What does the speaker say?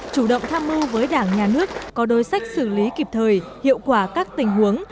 chủ động tham mưu với đảng nhà nước có đối sách xử lý kịp thời hiệu quả các tình huống